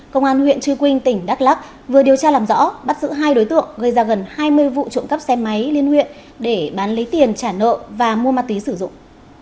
công an huyện trư quynh tỉnh đắk lắc vừa điều tra làm rõ bắt giữ hai đối tượng gây ra gần hai mươi vụ trộm cắp xe máy liên huyện để bán lấy tiền trả nợ và mua ma túy sử dụng